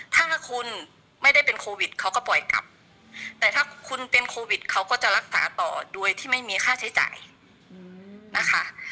ถ้าคุณไม่ได้เป็นโควิดเขาก็ปล่อยกลับแต่ถ้าคุณเป็นโควิดเขาก็จะรักษาต่อโดยที่ไม่มีค่าใช้จ่ายนะคะ